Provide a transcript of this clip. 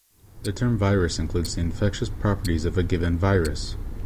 The term virus includes the infectious properties of a given virus.